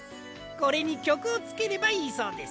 これにきょくをつければいいそうです。